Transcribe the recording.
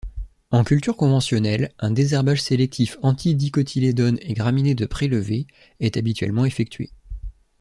En culture conventionnelle, un désherbage sélectif anti-dicotylédones et graminées de pré-levée est habituellement effectué.